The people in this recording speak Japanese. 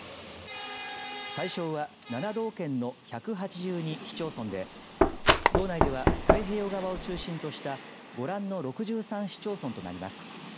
対象は７道県の１８２市町村で道内では太平洋側を中心としたご覧の６３市町村となります。